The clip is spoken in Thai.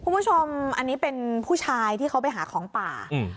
คุณผู้ชมอันนี้เป็นผู้ชายที่เขาไปหาของป่าอืม